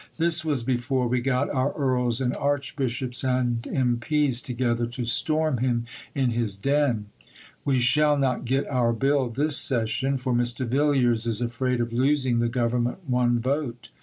(This was before we got our Earls and Archbishops and M.P.'s together to storm him in his den.) We shall not get our Bill this session, for Mr. Villiers is afraid of losing the Government one vote.